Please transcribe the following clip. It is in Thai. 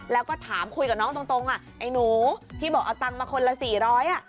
แล้วก็ถามคุยกับน้องตรงอ่ะไอ้หนูที่บอกเอาตังค์มาคนละสี่ร้อยอ่ะ